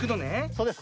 そうです。